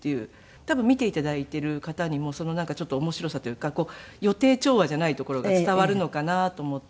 多分見て頂いている方にもなんかちょっと面白さというか予定調和じゃないところが伝わるのかなと思って。